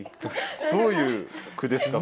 どういう句ですか？